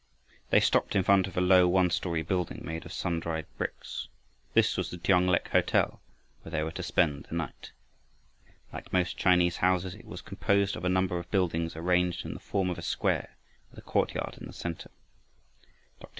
They stopped in front of a low one story building made of sun dried bricks. This was the Tiong lek hotel where they were to spend the night. Like most Chinese houses it was composed of a number of buildings arranged in the form of a square with a courtyard in the center. Dr.